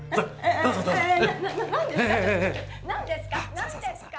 何ですか？